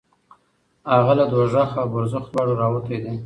هغه له دوزخ او برزخ دواړو راوتی دی.